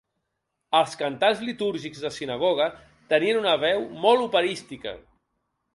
Els cantants litúrgics de sinagoga tenien una veu molt operística.